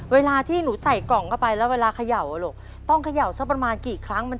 ปลาปิก้าครับแล้วก็รสชีสครับ